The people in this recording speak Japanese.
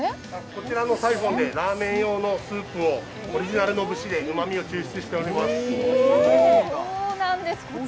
こちらのサイフォンでラーメン用のスープをオリジナルの節でうまみを抽出しております。